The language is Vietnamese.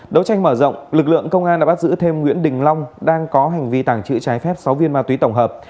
đấu tranh mở rộng lực lượng công an đã bắt giữ thêm nguyễn đình long đang có hành vi tàng trữ trái phép sáu viên ma túy tổng hợp